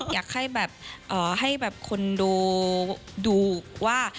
อยากให้แบบให้แบบคอนโดดูว่า